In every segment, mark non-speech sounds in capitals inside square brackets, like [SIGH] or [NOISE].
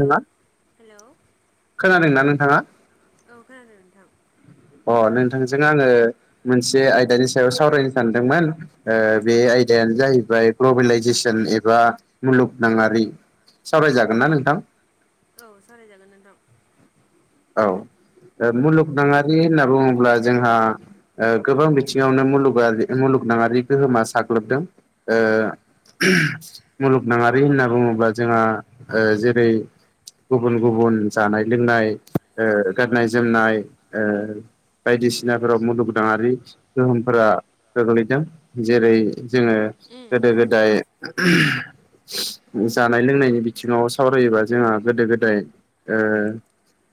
Hello ना hello खोनादों नना नोंथाङा औ खोनादों नोंथां अ नोंथांजों आङो मोनसे से आयदानि सायाव सावरायनो सानदोंमोन ओ बे आयदानो जाहैबाय ग्लबेलाइजेसन एबा मुलुगनाङारि सावरायजागोनना नोंथां औ सालायजागोन नोंथां औ मुलुगनाङारि होनना बुङोब्ला जोंहा गोबां बिथिङावनो मुलुगा मुलुग नाङारि गोहोमा साग्लोबदों ओ मुलुगनाङारि होनना बुङोब्ला जोंहा ओ जेरै गुबुन गुबुन जानाय लोंनाय ओ गाननाय जोमनाय ओ बायदिसिनाफोराव मुलुगदाङारि गोहोमफोरा गोग्लैदों जेरै जोङो गोदो गोदाय जानाय लोंनायनि बिथिङाव सावरायोबा जोंहा गोदो गोदाय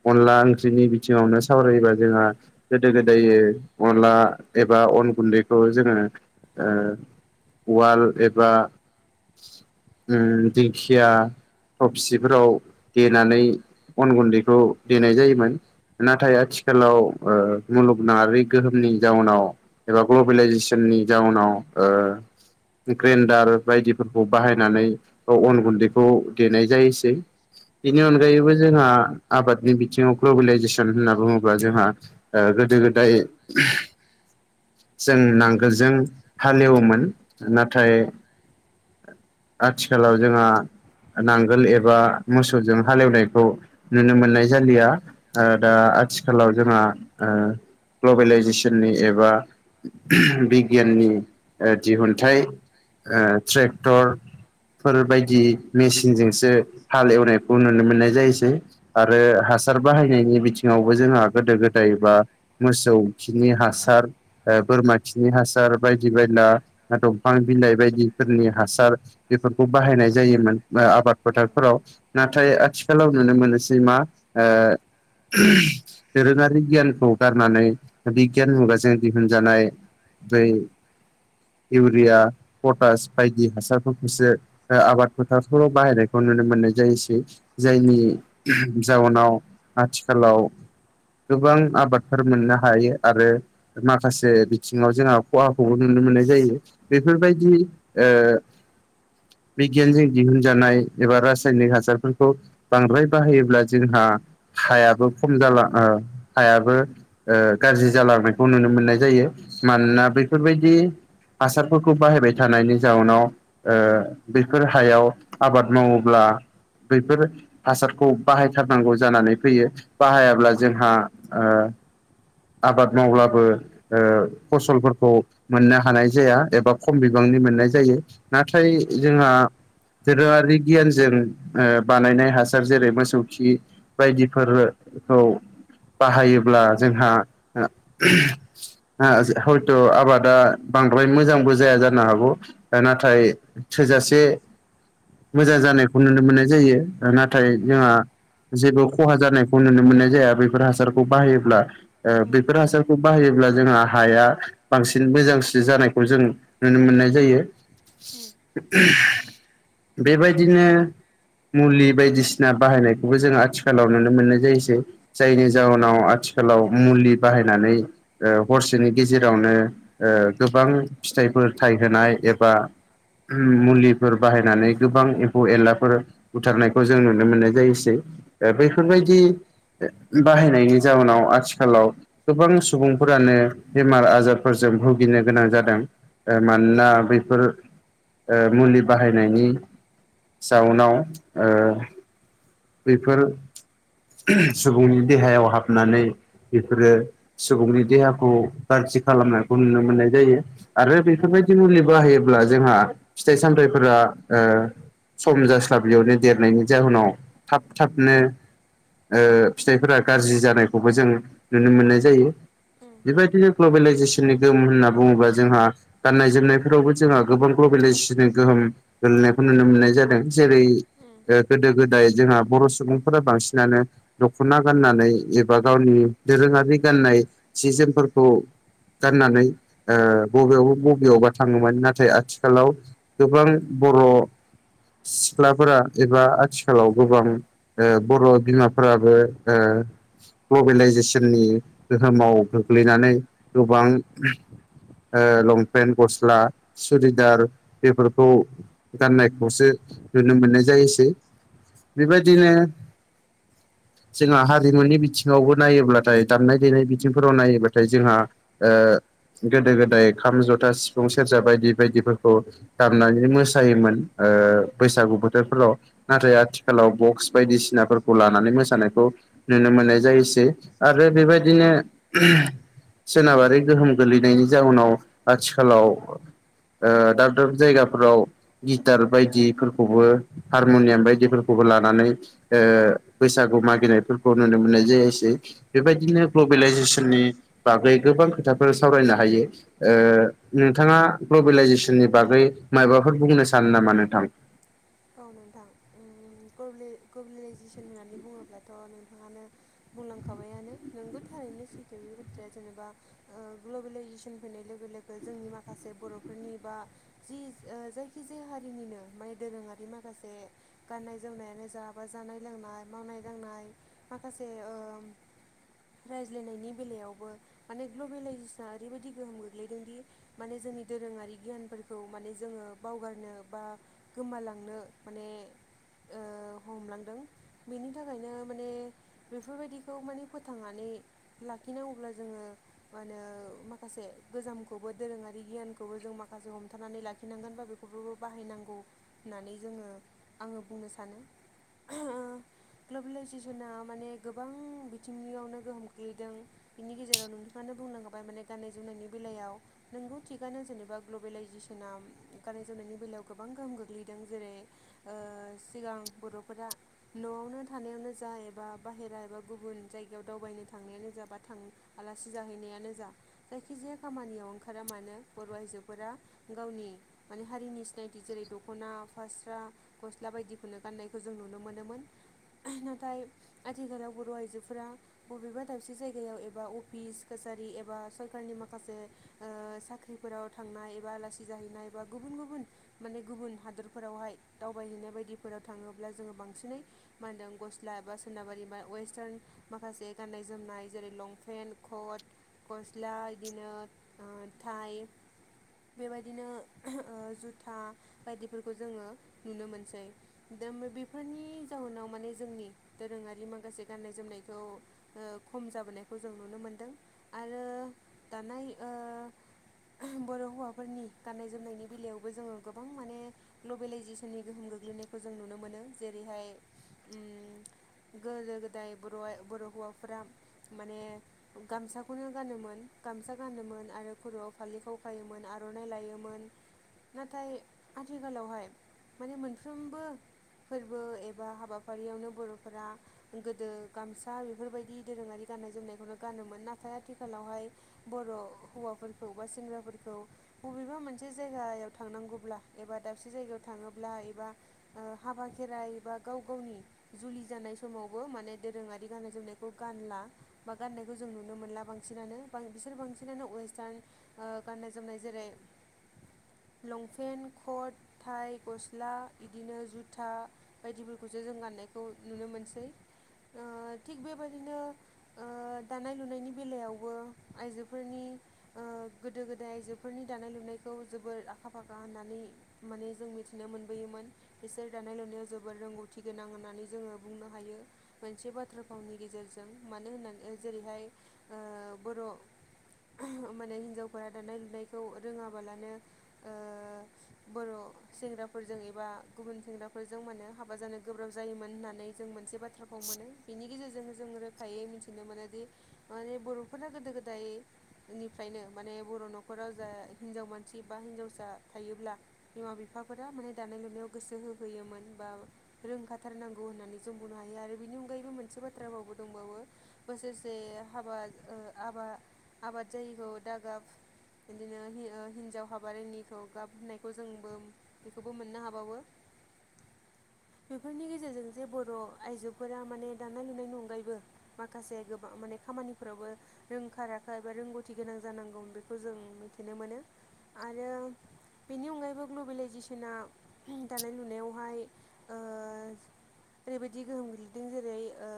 अनला ओंख्रिनि बिथिङावनो सावरायोबा जोंहा गोदो गोदाय अनला एबा अन गुन्दैखौ जोङो उवाल एबा दिंखिया थफसिफोराव देनानै अन गुन्दैखौ देनाय जायोमोन नाथाय आथिखालाव ओ मुलुगनङारि गोहोमनि जाउनाव एबा ग्लबेलाइजेसन नि जाउनाव ओ ग्रेन्दार बायदिफोरखौ बाहायनानै अन गुन्दैखौ देनाय जायोसै बेनि अनगायैबो जोंहा आबाद नि बिथिंआव ग्लबेेलइजेसन होनना बुङोब्ला जोंहा ओ गोदो गोदाय जों नांगोलजों हालेवोमोन नाथाय आथिखालाव जोंहा नांगोल एबा मोसौजों हालेवनायखौ नुनो मोननाय जालिया ओ दा आथिखालाव जोंहा ओ ग्लबेलाइजेसननि एबा बिगियाननि ओ दिहुनथाइ ट्रेक्टर फोरबायायदि मेचिनजोंसो हाल एवनायखौ नुनो मोननाय जायोसै आ आरो हासार बाहायनायनि बिथिङावबो जोंहा गोदो गोदायबा मोसौ खिनि हासार ओ बोरमा खिनि हासार बायदि बायला दंफां बिलाइ बायदिफोरनि हासार बेफोरखौ बाहायनाय जायोमोन आबाद फोथारफोराव नाथाय आथिखालाव नुनो मोनोसै सिमा ओ दोरोङारि गियानखौ गारनानै बिगियान मुगाजों दिहुनजानाय बै इउरिया पटास बायदि हासारफोरखौसो ओ आबाद फोथारफोराव बाहायनायखौ नुनो मोननाय जायोसै जायनि जाउनाव आथिखालाव गोबां आबादफोर मोननो हायो आरो माखासे बिथिङाव जोंहा खहाखौबो नु मोननाय जायो बेफोरबायदि ओ बिगियानजों दिहुनजानाय एबा रासायनिक हासारफोरखौ बांद्राय बाहायोब्ला जोंहा हायाबो खम ओ हायाबो ओ गाज्रि जालाङो [UNINTELLIGIBLE] बेखौ नुनो मोननाय जायो मानोना बेफोरबायदि हासारफोरखौ बाहायबाय थानायनि जाउनाव ओ बेफोर हायाव आबाद मावोब्ला बैफोर हासार खौ बाहायथारनांगौ जानानै फैयो बाहायाब्ला जोंहा ओ आबाद मावब्लाबो ओ फसलफोरखौ मोननो हानाय जाया एबा खम बिबां नि मोननाय जायो नाथाय जोंहा दोरोङारि गियानजों ओ बानायनाय हासार जेरै मोसौ खि बायदिफोर खौ बाहायोब्ला जोंहा [UNINTELLIGIBLE] [UNINTELLIGIBLE] हयथ' आबादा बांद्राय मोजांबो जाया जानो हागौ ओ नाथाय थोजासे मोजां जानायखौ नुनो मोननाय जायो। नाथाय जोंहा जेबो खहा जानायखौ नुनो मोननाय जाया बेैफोर हासारखौ बाहायोब्ला ओ बेफोर हासारखौ बाहायोब्ला जोंहा हाया बांसिन मोजांसिन जानायखौ जों नुनो मोननाय जायो। बेबायदिनो मुलि बायदिसिना बाहायनायखौबो जों आथिखालाव नुनो मोननाय जायोसै जायनि जाउनाव आथिखालाव मुलि बाहायनानै ओ हरसेनि गेजेरावनो ओ गोबां फिथाइफोर थाइ होनाय एबा मुलिफोर बाहायनानै गोबां एम्फौ एनलाफोर बुथारनायखौ जों नुनो मोननाय जायोसै। ओ बेफोरबायदि बाहायनायनि जाउनाव आथि खालाव गोबां सुबुंफोरानो बेमार आजारफोरजों भुगिनो गोनां जादों ओ मा नोना बेफोर ओ मुलि बाहायनायनि जाउनाव ओ बेफोर सुबुंनि देहायाव हाबनानै बेफोरो सुबुंनि देहाखौ गाज्रि खालामनायखौ नुनो मोननाय जायो। आरो बेफोरबायदि मुलि बाहायोब्ला जोंहा फिथाइ-सामथायाइफोरा ओ सम जास्लाबलियावनो देरनायनि जाहोनाव थाब थाबनो ओ फिथाइफोरा गाज्रि जानायखौबो जों नुनो मोननाय जायो। बेबायदिनो ग्लबेलाइजेसननि गोहोम होनना बुङोब्ला जों- जोंहा गाननाय-जोमनायफोरावबो जोंहा गोबां ग्लबेलाइजेसनि गोहोम गोलैनायखौ नुनो मोननाय जादों। जेरै- गोदो-गोदाय जोंहा बर' सुबुंफोरा बांसिनानो दख'ना गाननानै एबा गावनि दोरोङारि गाननाय सि-जोमफोरखौ गाननानै ओ बबेयाव बबेयावबा थाङोमोन। नाथाय आथिखालाव गोबां बर' सिख्लाफोरा एबा आथिखालाव गोबां ओ बर' बिमाफोराबो ओ ग्लबेलाइजेसन जोंनि गोहोमाव गोग्लैनानै गोबां लंफेन-गस्ला सुरिदार बेफोरखौ गाननायखौसो नुनो मोननाय जायोसै। बेबायदिनो जोंहा हारिमुनि बिथिङावबो नायोब्ला नाथाय दामनाय-देनाय बिथिंफोराव नायोबाथाय जोंहा ओ गोदो-गोदाय खाम-जथा सिफुं-सेरजा बायदि बायदिफोरखौ दामनानै मोसायोमोन। ओ बैसागु बोथोरफोराव नाथाय आथिखालाव बक्स बायदिसिनाफोरखौ लानानै मोसानायखौ नुनो मोननाय जायोसै। आरो बेबायदिनो सोनाबारि गोहोम गोलैनायनि जाउनाव आथिखालाव ओ दाब दाब जायगाफोराव गिटार बायदिफोरखौबो हारमुनियाम बायदिफोरखौबो लानानै ओ बैसागु मागिनायफोरखौ नुनो मोननाय जायोसै। बेबायदिनो ग्ल'बेलायजेस- नि बागै गोबां खोथाफोर सावरायनो हायो। ओ नोंथाङा ग्लबेलाइजेस- नि बागै मायबाफोर बुंनो सानो नामा नोंथां? औ नोंथां उम ग्लबे-ग्लबेलाइजेसन होननानै बुङोब्लाथ' नोंथाङानो बुंलांखाबायानो। नोंगौ थारैनो सैथो बे बाथ्राया जेनेबा ओ ग्लबेलाइजेसन फैनाय लोगो- लोगों जोंनि माखासे बर'फोरनि बा जि ओ जायखि-जाया हारिनिनो माने दोरोङारि बि माखासे गनाय-जोमनायानो जा बा जानाय-लोंनाय मावनाय-दांनाय माखासे [INAUDIBLE] रायज्लायनायनि बेलायावबो माने ग्लबेलाइजेसना ओरैबायदि गोहोम गोग्लैदों दि माने जों जोंनि दोरोङारि गियानफोरखौ माने जोङो बावगारनो बा गोमालां- हमलांदों बेनि थाखायनो माने बेफोरबायदिखौ माने फोथांनानै ला- लाखिनांगौब्ला जोङो मा होनो माखासे गोजामखौबो दोरोङारि गियानखौबो जों माखासे हमथानानै लाखिनांगोन बा बेखौबो बाहायनांगौ होननानै जोङो आङो बुंनो सानो। ग्लबेलाइजेसना माने गोबां बिथिंनियावनो गोहोम खोल्खैदों। बिनि गेजेराव नोंथाङानो बुंलांखाबाय माने गाननाय-जोमनायनि बेलायाव। नोंगौ थिगानो जेनेबा ग्लबेेलइजेसनाव गाननाय-जोम- नि बेलायाव गोबां गोहो- गोलैदों। जेरै सिगां बर'फोरा न'आवनो थानायावनो जा एबा बा बाहेरा एबा गुबुन जायगायाव दावबायनो थांनायानो जा बा थां आलासि जाहैनायानो जा जायखिजाया खामानियाव ओंखारा मानो बर' आइजोफोरा गावनि माने हारिनि सिनायथि जेरै द- दख'ना, फास्रा, गस्ला बायदिखौनो गाननायखौ जों नुनो मोनोमोन। नाथाय आथिखालाव बर' आइजोफोरा बबेबा दाबसे जायगायाव एबा अफिस कासारि एबा सरकारनि माखासे ओ साख्रिफोराव थांनाय एबा आलासि जाहैनाय एबा गुबुन गुबुन गुबुन माने गुबुन हादरफोरावहाय दावबायहैनाय बायदिफोराव थाङोब्ला जोङो बांसिनै मा होनदों गस्ला एबा सोनाबारि बा वेस्टार्न माखासे गान्नाय जोमनाय जेरै लंपेन्ट कट गस्ला इदिनो ओ थाइ बेबायदिनो ओ जुथा बायदिफोरखौ जोङो नुनो मोनसै दा बेफोरनि जाहोनाव माने जोंनि दोरोङा ङारि माखासे गान्नाय जोमनायखौ ओ खम जाबोनायखौ जों नुनो मोनदों आरो दानाय ओ बर' हौवाफोरनि गाननाय जोमनायनि बेलायावबो जोङो गोबां माने ग्ल'बेेलइजेसननि गोहोम गोग्लैनायखौ जों नुनो मोनो जेरैहाय ओम गोदो गोदाय बर' बर' हौवाफोरा माने गामसाखौनो गानोमोन। गामसा गानोमोन आरो खर'आव फालि खाव खायोमोन आर'नाइ लायोमोन नाथाय आथिखालावहाय माने मोनफ्रोमबो फोरबो एबा हाबाफारियावनो बर'फोरा गोदो गामसा बेफोरबायदि दोरोङारि गाननाय जोमनायखौनो गानोमोन नाथाय आथिखालावहाय बर' हौवाफोरखौ बा सेंग्राफोरखौ बबेबा मोनसे जायगायाव थांनांगौब्ला एबा दाबसे जायगायाव थाङोब्ला एबा ओ हाबा खेराइ एबा गाव गावनि जुलि जानाय समावबो माने दोरोङारि गाननाय जोमनायखौ गानला बा गाननायखौ जों नुनो मोनला बांसिनानो बां बिसोर बांसिनानो वेस्टार्न ओ गाननाय जोमनाय जेरै [INAUDIBLE] लंफेन्ट खट थाइ गस्ला इदिनो जुथा बायदिफोरखौसो जों गाननायखौ नुनो मोनो। मोनसै। ओ थिग बेबायदिनो ओ दानाय लुनायनि बेलायावबो आइजोफोरनि ओ गोदो गोदाय आइजोफोरनि दानाय लुनायखौ जोबोर आखा फाखा होननानै माने जों मिथिनो मोनबोयोमोन बिसोर दानाय लुनायाव जोबोद रोंगौथि गोनां होननानै जोङो बुंनो हा हायो मोनसे बाथ्रा फावनि गेजेरजों मानो होननानै जेरैहाय ओ बर' माने हिन्जावफोरा दानाय लुनायखौ रोङाबालानो ओ बर' सेंग्राफोरजों एबा गुबुन सेंग्राफोरजों माने हाबा जानो गोब्राब जायोमोन होननानै जों मोनसे बाथ थ्राखौ मोनो बेनि गेजेरजों जों रोखायै मिथिनो मोनोदि माने बर'फोरा गोदो गोदायनिफ्रायनो माने ने बर' न'खराव जा हिनजाव मानसि बा हिन्जावसा थायोब्ला बिमा बिफाफोरा माने दानाय लुनायाव गोसो होहोयोमोन बा रोंखाथारनांगौ होननानै जों बुंनो हायो आरो बिनि अनगायैबो मोनसे बाथ्रा भावबो दंबावो बोसोरसे हाबा ओ आबा आबाद जायिखौ दागाब बिदिनो हि ओ हिनजाव हाबा रोङिखौ गाब होननाय। बेखौ जोंबो बेखौबो मोननो हाबावो। [INAUDIBLE] बेफोरनि गेजेरजों जे बर' आइजोफोरा माने दानाय लुनायनि अनगायैबो माखासे गोबां माने खामानिफोरावबो रोंखा राखा एबा रोंगौथि गोनां जानांगौमोन बेखौ जों मिथिनो मोनो। आरो बेनि अनगायैबो ग्लबेलाइजेसना दानाय लुनायावहाय ओ [INAUDIBLE] ओरैबायदि गोहोम गोग्लैदों जेरै ओ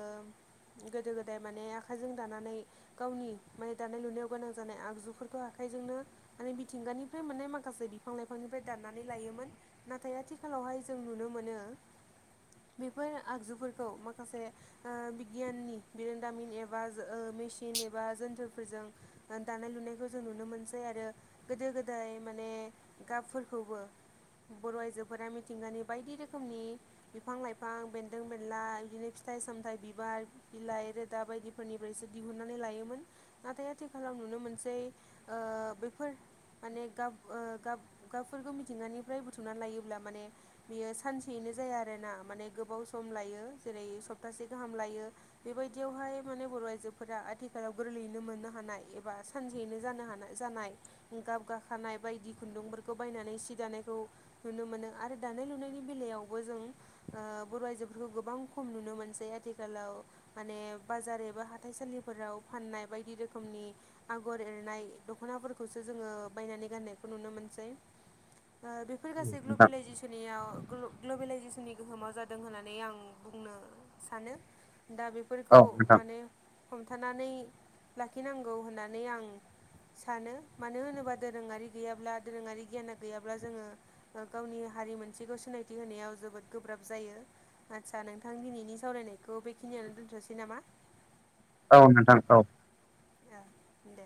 गोदो गोदाय माने आखाइजों दानानै गावनि माने दानाय लुनायाव गोनां जानाय आगजुफोरखौ आखाइ जोंनो आरो मिथिंगानिफ्राय मोननाय माखासे फां लाइफांनिफ्राय दाननानै लायोमोन नाथाय आथिखालावहाय जों नुनो मोनो बेफोर आगजुफोरखौ माखासे ओ बिगियाननि बिरोंदामिन एबा जो ओ मेचिन एबा जोन्थोरफोरजों ओ दानाय लुनायखौ जों नुनो मोनसै आरो गोदो गोदाय माने [INAUDIBLE] गाबफोरखौबो बर' आइजोफोरा मिथिंगानि बायदि रोखोमनि बिफां लाइफां बेन्दों बेनला बिदिनो फिथाइ थाइ सामथाइ बिबार बिलाइ रोदा बायदिफोरनिफ्रायसो दिहुननानै लायोमोन नाथाय आथिखालाव नु नुनो मोनसै ओ बेफोर माने गाब ओ गाब गाबफोरखौ मिथिंगानिफ्राय बुथुमना लायोब्ला माने बेयो सानसेयैनो जाया आरो ना माने गोबावज सम लायो जेरै सप्तासे गाहाम लायो बेबायदियावहाय माने बर' आइजोफोरा आथिखालाव गोर गोरलैनो मोननो हानाय एबा सानसेैनो जानो हानाय जानाय गाब गाखानाय बायदि खुन्दुंफोरखौ खौ बायनानै सि दानायखौ नुनो मोनो आरो दानाय लुनायनि बेलायावबो जों बर' आयजोफोरखौ बेफोरखौ गोबां खम नुनो मोनसै आथिखालाव माने बाजार एबा हााइसालिफोराव फाननाय बायदि रोखोमनि आगर एरनाय दख'नाफोरखौसो जोङो बायनानै गाननायखौ नुनो मोनसै। ओ बेफोर गासै नोंथां ग्लबेलाइजेसननि आव ग'ल ग'लबेलाय जिसनि गोहोमाव जादों होननानै आं बुंनो सानो। दा बेफोरखौ औ नोंथां माने हमथानानै लाखिनांगौ होननानै आं सानो मानो होनोबा दोरोङारि गैयाब्ला दोरोङारि बि गियाना गैयाब्ला जोङो गावनि हारि मोनसेखौ सिनायथि होनायाव जोबोद गोब्राब जायो। आदसा नोंथां दिनैनि सावरायनायखौ बेखिनियावानो दोन्थ'सै नामा? औ नोंथां औ। ओ दे।